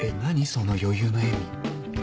その余裕の笑み。